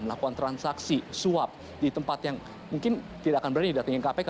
melakukan transaksi suap di tempat yang mungkin tidak akan berani didatangi kpk